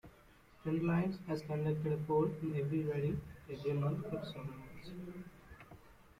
Trendlines has conducted a poll in every riding every month for several months.